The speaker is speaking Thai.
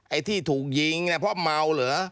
ไอ้ที่ถูกยิงเนี่ยเพราะเมาเหรอ